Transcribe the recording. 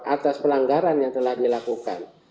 atas pelanggaran yang telah dilakukan